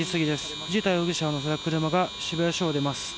藤田容疑者を乗せた車が渋谷署を出ます。